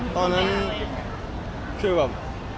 ตอนนั้นคือแบบ